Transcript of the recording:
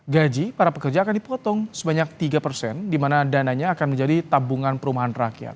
gaji para pekerja akan dipotong sebanyak tiga persen di mana dananya akan menjadi tabungan perumahan rakyat